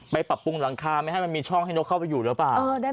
ปรับปรุงหลังคาไม่ให้มันมีช่องให้นกเข้าไปอยู่หรือเปล่า